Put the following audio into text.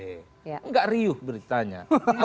enggak riuh beritanya